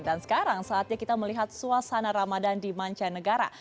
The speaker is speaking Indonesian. dan sekarang saatnya kita melihat suasana ramadan di manca negara